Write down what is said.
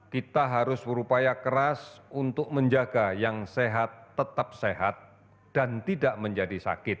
kita harus berupaya keras untuk menjaga yang sehat tetap sehat dan tidak menjadi sakit